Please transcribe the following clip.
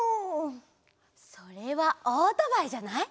それはオートバイじゃない？